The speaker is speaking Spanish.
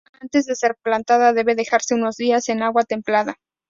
Antes de ser plantada debe dejarse unos días en agua templada.